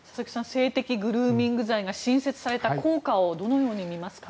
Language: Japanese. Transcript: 性的グルーミング罪が新設された効果をどのように見ますか？